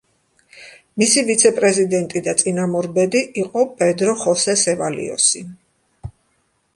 მისი ვიცე-პრეზიდენტი და წინამორბედი იყო პედრო ხოსე სევალიოსი.